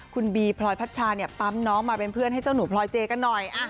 คุณบีพลอยพัชชาเนี่ยปั๊มน้องมาเป็นเพื่อนให้เจ้าหนูพลอยเจกันหน่อย